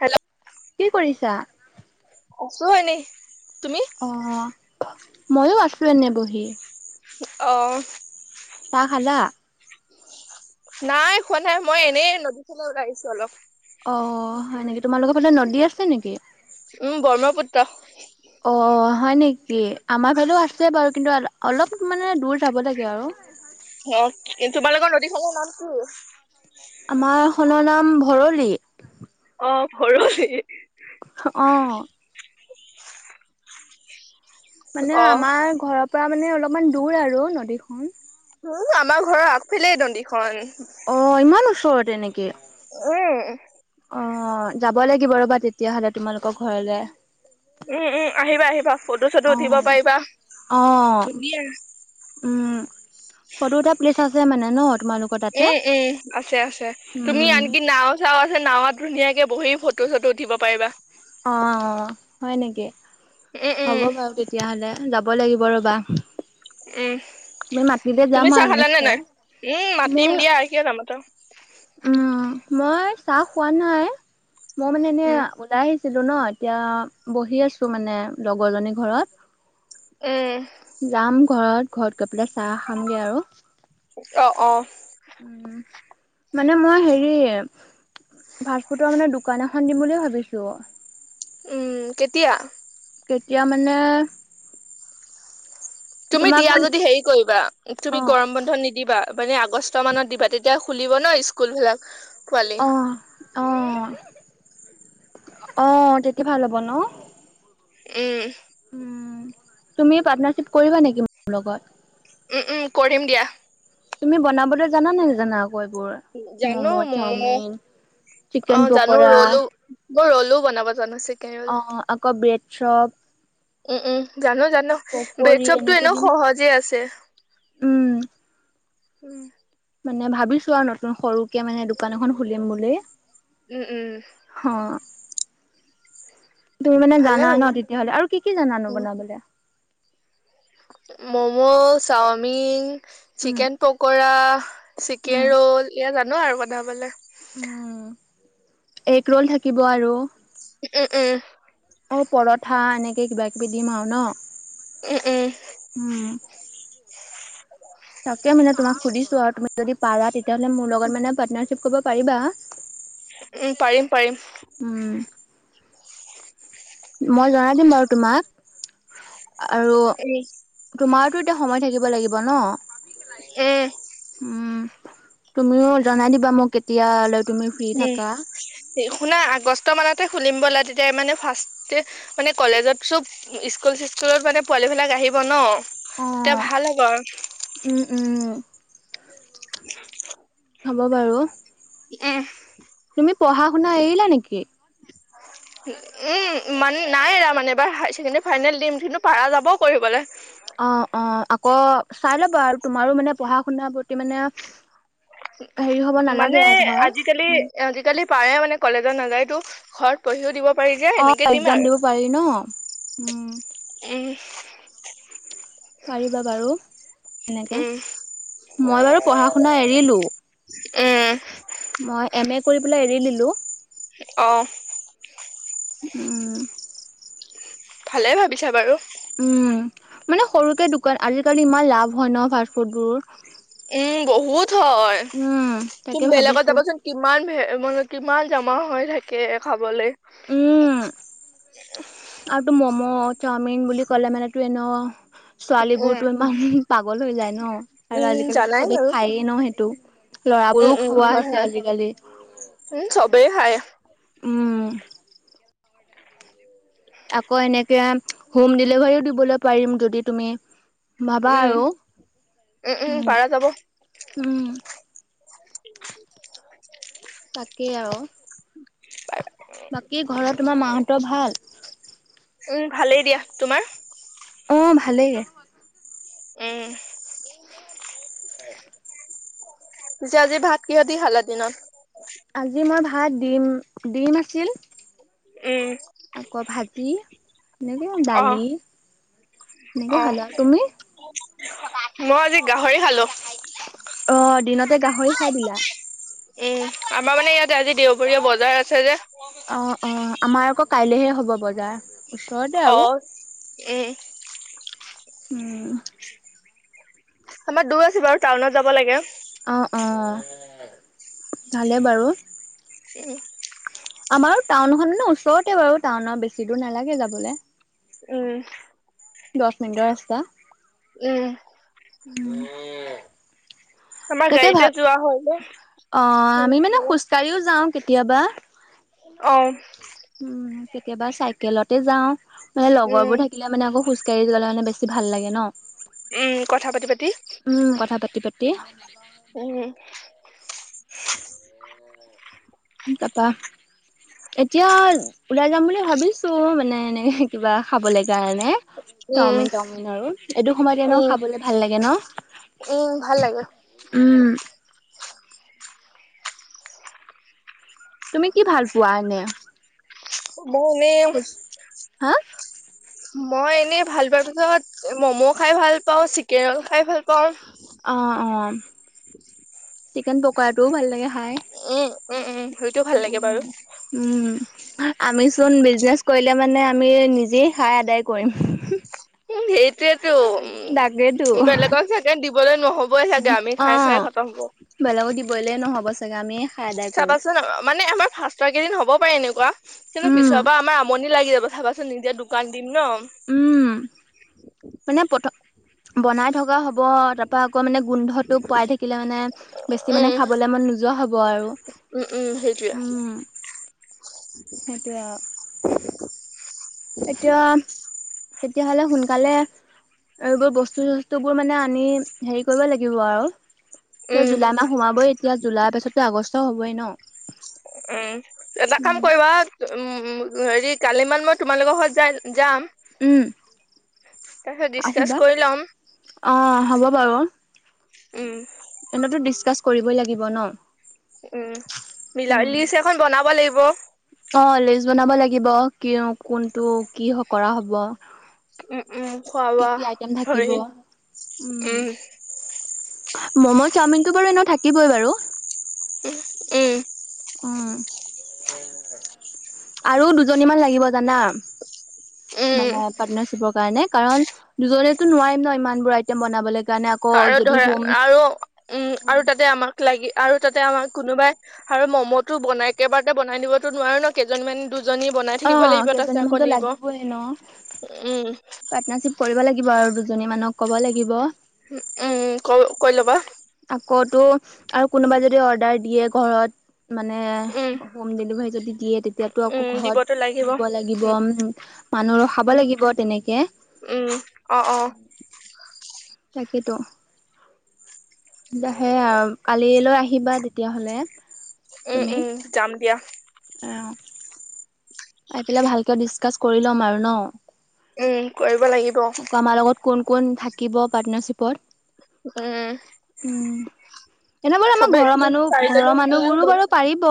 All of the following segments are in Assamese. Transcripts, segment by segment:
হেল্ল' কি কৰিছা আছো হয়নি অ মইো আছো এনে বহি অ চাহ খালা? নাই হোৱা নাই মই এনেই নদীখনে ওলাই আহিছো অলপ অ স নেকি তোমালোকৰ ফালে নদী আছে নেকি উম ব্ৰহ্মপুত্ৰ। অ হয় নেকি আমাৰ ফালেও আছে বাৰু কিন্তু অলপ মানে দূৰ যাব লাগে আৰু। অ কি তোমালোকৰ নদীখৰ নাম কি? আমাৰ খনৰ নাম ভৰলি। অ ভৰলি। আহ। মানে অ আমাৰ ঘৰৰ পৰা মানে অলপমান দূৰ আৰু নদীখন। উম আমাৰ ঘৰৰ আগফালেই নদীখন। অ ইমান ওচৰত এনেকে। উম। অ যাব লাগিব ৰ'বা তেতিয়াহলে তোমালোকৰ ঘৰলে। উম উম আহিবা আহিবা ফটো চটো উঠিব অ', পাৰিবা অ', ধুনীয়া আৰু। উম ফটো উঠা প্লেচ আছে মানে ন। তোমালোকৰ তাতে? উম উম আছে আছে তুমি উম, আনকি নাও চাও আছে নাৱত ধুনীয়াকে কে বহি ফটো চটো উঠিব পাৰিবা। অ অ হয় নেকি উম হ'ব উম বাৰু তেতিয়াহলে। যাব লাগিব ৰ'বা। উম তুমি মাতিলে তুমি যাম চাহ আৰু খালে নে নাই? নিশ্চয় উম মাতিম মোৰ দিয়া আহকিয়ে যাম ত। উম মই চাহ খোৱা নাই। মই মানে এনে উম ওলাই আহি ছিলো ন এতিয়া বহি আছো মানে লগৰ জনী ঘৰত। এহ। যাম ঘৰত ঘৰত গৈ পেলাই চাহ খামগে আৰু। অ অ। উম মানে মই হেৰি ফাষ্ট ফুডৰ মানে দোকান এখন দিম বুলি ভাবিছো অ। উম কেতিয়া? কেতিয়া মানে- তুমি তোমাক দিয়া মানে যদি হেৰি কৰিবা অ তুমি গৰম বন্ধ নিদিবা। মানে আগষ্ট মানত দিবা তেতিয়া খুলিব ন স্কুলবিলাক। অ অ। অ তেতিয়া ভাল হ'ব ন। উম। তুমি পাৰ্টনাৰিপ কৰিবা নেকি মোৰ লগত? উম উম কৰিম দিয়া। তুমি বনাবলৈ জানা নে নাজানা আও। বোৰ মম, চাওমিন, অ চিকেন জানো পকৰা। ৰলো মই ৰল ও বনাব জানোছিল অ আকৌ ব্ৰেড চপ। উম উম। জানো জানো পকৰী বেডশ্বপটো এনেকে এনেও দিম। সহজে আছে। উম, উম। মানে ভাবিছো আৰু নতুন সৰুকে মানে দোকান এখন খুলিম বুলি। উম উম। অ', তুমি মানে ভালে জানা ন ভাবিছো তেতিয়াহ'লে আৰু কি কি জানানো উম বনাবলে? মম, চাওমিন উম, চিকেন পকৰা, উম, চিকেন ৰল, এয়া জানো আৰু বনাবলে। উম এগ ৰোল থাকিব আৰু। উম উম। অ পৰঠা এনেকে কিবা কিবি দিম আৰু ন। উম-উম। উম। তাকে মানে তোমাক সুধিছো আৰু তুমি যদি পাৰা তেতিয়াহ'লে মোৰ লগত মানে পাৰ্টনাৰশ্বিপ কৰিব পাৰিবা। [inaudible] উম, পাৰিম-পাৰিম। উম'। মই জনাই দিম বাৰু তোমাক। আৰু উম তোমাৰতো এতিয়া সময় থাকিব লাগিব ন'। এহ। উম, তুমিও জনাই দিবা মোক, কেতিয়াালৈ তুমি ফ্ৰী উম থাকা। শুনা আগষ্ট মানতে খুলিম ব'লা, তেতিয়া মানে ফাৰ্ষ্ট মানে কলেজত চব স্কুল স্কুলত মানে পোৱালি বিলাক আহিব ন' তেতিয়া অ', ভাল হ'ব আৰু উম, উম, হ'ব বাৰু অহ। তুমি পঢ়া-শুনা এৰিলা নেকি? উম, মানে নাই এৰা মানে এবাৰ হায়াৰ ছেকেণ্ডৰী ফাইনেল দিম কিন্তু পাৰা যাবও কৰিবলে। অ', -অ' আকৌ চাই লবা আৰু তোমাৰো মানে পঢ়া- শুনাৰ প্ৰতি মানে [unintelligible] হেৰি হ'ব নালাগে মানে আৰু ধৰ আজিকালি, আজিকালি পাৰে মানে কলেজত নাযায়তো ঘৰত পঢ়িও দিব। পাৰি যে এনেকে অ' দিম একজাম আৰু দিব পাৰি ন উম'। উম'। পাৰিবা বাৰু তেনেকে উম মই বাৰু পঢ়া-শুনা এৰিলো। উ। মই এম এ কৰি পেলাই এৰি দিলো। অ'। উ। ভালে ভাবিছা বাৰু। উম, মানে সৰুকে দোকান আজিকালি ইমান লাভ হয় ন ফাষ্ট ফুডবোৰ। উম, বহুত হয় তুম তাকে বেলেগত ভাবিছো যাবাচোন কিমান মানে কিমান। জমা হৈ থাকে খাবলৈ উম'। আৰু তো মমো, চাওমিন বুলি কলে মানে তো এনেও ছোৱালী উম, বোৰতো ইমান পাগল হৈ যায় ন'। আৰু উম, আজিকালিতো জানাই চবে বাৰু খায় ন' সেইটো উম, ল'ৰাবোৰেও উম, খোৱা হয়, হৈছে হয়, আজিকালি। উম, চবেই খায়। উম'। আকৌ এনেকে হোম ডেলিভাৰীও দিবলৈ পাৰিম যদি তুমি পাবা উম। আৰু উম, উম, পাৰা যাব উম-উম। তাকে আৰু বাকী ঘৰত তোমাৰ মাহত ভাল। উম, ভালেই দিয়া তোমাৰ। অ' ভালেইে দিয়া। উম'। [unintelligible] পিছে আজি ভাত কিহতি খালা দিনত। আজি মই ভাত ডিম-ডিম আছিল উম, আকৌ ভাত চবজি এনেকে আৰু দালি। অ', এনেকে অ', খালো আৰু তুমি। মই আজি গাহৰি খালো। অ' দিনতে গাহৰি খাই দিলা। উম, আমাৰ মানে ইয়াতে আজি দেওবৰীয়া বজাৰ আছে যে অ অ আমাৰ আকৌ কাইলেহে হ'ব বজাৰ। ওচৰতে অ আৰু এ। উম। আমাৰ দূৰ আছে বাৰু টাউনত যাব লাগে। অ অ ভালে বাৰু। এ। আমাৰো টাউনখন মানে ওচৰতে বাৰু টাউনৰ বেছি দূৰ নালাগে যাবলে। উম। দছ মিনিটৰ ৰাস্তা। উম, আমাৰ তাকে গাড়ীতে ভাব যোৱা হয় যে অ আমি মানে খোজকাঢ়িও যাওঁ কেতিয়াবা। অ। উম কেতিয়াবা চাইকেলতে যাওঁ মানে উম, লগৰবোৰ থাকিলে মানে আকৌ খুজ কাঢ়ি গ'লে মানে বেছি ভাল লাগে ন। উম কথা পাতি পাতি। তি উম, [inaudible] কাপা এতিয়া ওলাই যাম বুলি ভাবিছো মানে এনেকে কিবা খাবলে কাৰণে। উম, চাওমিন তাওমিন আৰু এইটো সময়তে এনো উম, খাবলে ভাল লাগে ন। উম ভাল লাগে। উম, তুমি কি ভাল পোৱা এনে? বনে হা মই এনেই ভাল পোৱাৰ পিছত মম' খাই ভাল পাওঁ চিকেন ৰল খাই ভাল পাওঁ। অ', অ', চিকেন পকৰা টোও ভাল লাগে। খাই। উম উম উম সেইটোও ভাল লাগে বাৰু। উম, উম, আমি চোন বিজনেচ কৰিলে মানে আমি নিজে খাই আদায় কৰিম। এয়েতো তাকেতো উম বেলেগক চাগে দিবলৈ নহবই চাগে আমি খাই খাই খতম হব। ক'ব চাগে আমি চাবাচোন মানে আমাৰ ফাঁষ্টৰ কেইদিন হ'ব পাৰে এনেকুৱা কিন্তু উম, পিছৰ পৰা আমাৰ আমনি লাগি যাব চাবাচোন নিজে দোকান দিম ন উম, মানে প্ৰথম বনাই থকা হ'ব হব তাৰ পৰা আকৌ মানে গোন্ধটো পোৱাই থাকিলে মানে বেছি উম মানে খাবলৈ মন নোযোৱা হ'ব আৰু। উম উম সেইটোয়ে তাকে আওঁ এতিয়া তেতিয়াহলে সোনকালে আৰু এইবোৰ বস্তু চস্তু বোৰ মানে আনি হেৰি কৰিব লাগিব আৰু এতিয়া উম জুলাই মাহ সোমাবই এতিয়া জুলাইৰ পাছতো আগষ্ট হ'বই ন। উম এটা কাম উম, কৰিবা উ হেৰি কালি মান মই তোমালোকৰ ঘৰত যাই যাম। উম তাৰপিছত ডিচকাচ আহিবা কৰি ল'ম অ হ'ব। বাৰু উম এতো ডিচকাচ কৰিবই লাগিব ন। উম মিলা উম। লিষ্ট এখন বনাব লাগিব। অ লিষ্ট বনাব লাগিব ক কোনটো কি কৰা হ'ব। উম উম খোৱা কি বোৱা কি আইটেম থাকিব ধৰি উম। মম' চাওমিনতটো বাৰু এনে থাকিবই বাৰু। উম। উম আৰু দুজনী মান লাগিব জানা। উম মানে পাৰ্টনাৰিপৰ কাৰণে কাৰণ দুজনেতো নোৱাৰিম ন ইমান বোৰ আইম বনাবলৈ কাৰণে। ক আৰু যদি ধৰা হোম। আৰু উম আৰু তাতে আমাক লাগি আৰু। আমাৰ কোনোবাই আৰু মমো ব একেবাৰ বনাই দিবতো নোৱাৰো ন কেইজন মন টো অ কেইজনীমানতো লাগিবই ন। উম পাৰ্টনাৰশ্বিপ কৰিব লাগিব আৰু দুজনী মানক ক'ব লাগিব। উম ক কৈ ল'বা। তটো আৰু কোনোবা যদি অৰ্ডাৰ দিয়ে ঘৰত। মানে উম হোম ডেলিভাৰী যদি দিয়ে তেতিয়াতো আকৌ উম ঘৰত। দিবতো লাগিব দিব লাগিব উম মানুহ খাব উম লাগিব তেনেকে উম অ অ। তাকেতো দাহে আও। কালৈ আহিবা তেতিয়াহ'লে। উম তুমি উম যাম দিয়া। অ। প পেলাই ভালকে ডিচকাছ কৰি ল'ম আৰু ন? উম কৰিব লাগিব। আকৌ আমাৰ লগত কোন কোন থাকিব পাৰ্টনাৰশ্বিপত। উম। এনেবৰে আমাৰ চবে ঘৰৰ তিনি মানুহ ঘৰৰ চাৰিজনী মানুহ বোৰো মিলি বাৰু পাৰিব।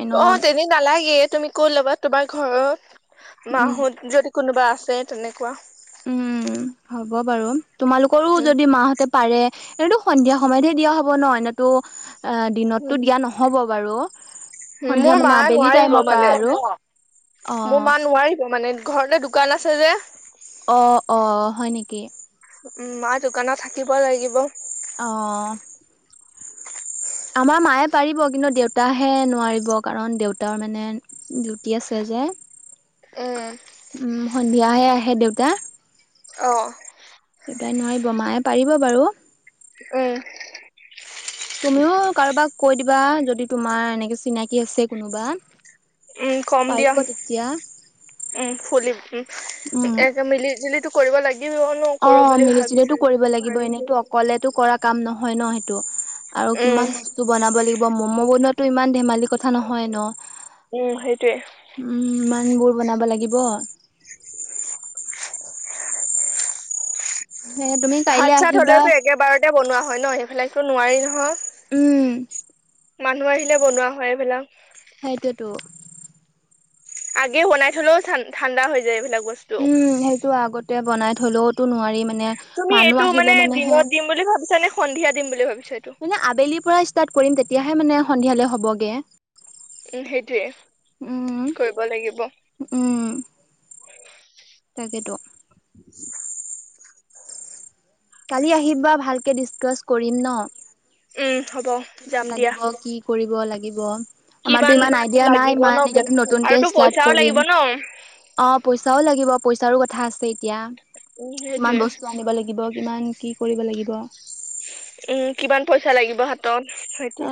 এনে অ, তেনে নালাগে তুমি কত ল'বা তোমাৰ ঘৰত উম মাহত যদি কোনোবা আছে তেনেকুৱা। উম হ'ব বাৰু তোমালোকৰো যদি মাহতে পাৰে এইতো সন্ধিয়া সময়তহে দিয়া হব ন' এনেতো অ, দিনতটো দিয়া নহ'ব বাৰু সন্ধিয়া মোৰ মা মানে আবেলি নোৱাৰিব টাইমৰ পৰা মানে আৰু অ মোৰ মা নোৱাৰিব মানে ঘৰতে দোকান আছে যে। অ', অ', হয় নেকি। উম, মা দোকানত থাকিব লাগিব। অ', আমাৰ মায়ে পাৰিব কিন্তু দেউতাহে নোৱাৰিব কাৰণ দেউতাৰ মানে ডউতি আছে য যে উম, সন্ধিয়াহে আহে দেউতা। অ দেতাই নোৱাৰিব মায়ে পাৰিব বাৰু। উম তুমিও কাৰোবাক কৈ দিবা যদি তোমাৰ এনেকে চিনাকি আছে কোনোবা। উম, কম দিয়া পাৰিব তেতিয়া উম খুলি উম উম একে মিলি জুলিটো কৰিব লাগিব ন অ, কৰো বুলি ভাবিছো মিলি-জুলিতো কৰিব লাগিব ভাবিছো এনেইতো অকলেতো কৰা কাম নহয় ন' সেইটো আৰু উম কিমান বস্তু বনাব লাগিব ম'ম' বনোৱাটো ইমান ধেমালি কথা নহয় ন'। উম, সেইটোৱে। ইমানবোৰ বনাব লাগিব। সেয়ে তুমি কাইলে ভাত-চাত আহিবা হলেওতো একেবাৰতে বনোৱা হয় ন'সেই বিলাকতো নোৱাৰি নহয়। উম, মই আহিলে বনোৱা হয় এইবিলাক। সেইটোৱেই টো। আগে বনাই থলেও ঠাণ্ডা হৈ যায় এইবিলাক। বস্তু উম, সেইটো আগতে বনাই থলেওতো নোৱাৰি। মা নে তুমি মানুহ এইটো মানে আহিলে মানেহে দিনত দিম বুলি ভাবিছা নে সন্ধিয়া দিম বুলি ভাবিছা এইটো এনে আবেলিৰ পৰা ষ্টা ষ্টাৰ্ট কৰিম তেতিয়াহে মানে সন্ধিয়ালে হ'বগে। উম, উম সেইটোয়ে কৰিব লাগিব। তাকেটো। [inaudible] কালি আহিবা, ভালকে ডিচকাছ কৰিম ন। উম হ'ব কিমান যাম দিয়া লাগিব? কি কৰিব লাগিব? আমাৰতো কিমান ইমান আইডিয়া নাই লাগিব ন ইমান নিজৰটো নতুনকে আৰুতো ষ্টাৰ্ট পইচাও লাগিব কৰিম। ন অপ পইচাও লাগিব পইচাৰো কথা আছে উম এতিয়া সেইটোয়ে কিমান বস্তু আনিব লাগিব। কিমান কি কৰিব লাগিব। উম কিমান পইচা লাগিব হাতত সেইতিয়া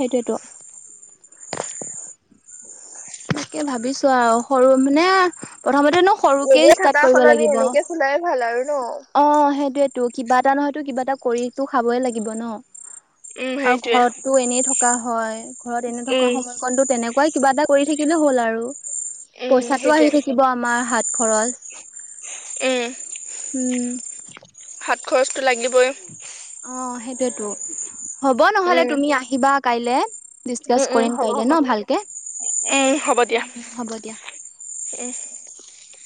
সেইটোৱে ত। সেনেকে ভাবিছো আও সৰু মানে প্ৰথমতে নো এনে থকাৰ সলনি এনেকে খোলাই ভাল আৰু ন। তো কিবা এটা নহয়তো কিবা এটা কৰি তো খাবই লাগিব ন। উম আও সেইটোয়ে ঘৰতটো এনেই থকা হয় ঘৰত এনে থকা উম সময়কণতো তেনেকুৱাই কিবা এটা কৰি থাকিলে হ'ল আৰু। উম পইচাটো সেইটোয়ে আহি থাকিব আমাৰ হাত খৰচ উম উম। হাত খৰচটো লাগিব অ সেইটোয়েতো হ'ব নহলে উম তুমি আহিবা কাইলে। উম ডিচকাচ উম কৰিম হ'ব পাৰলে হ'ব ন ভালকে, উম হ'ব দিয়া উম হ'ব দিয়া। [inaudible]